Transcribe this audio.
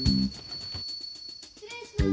・失礼します。